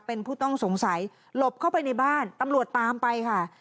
เป็นผู้ต้องสงสัยหลบเข้าไปในบ้านตำรวจตามไปค่ะ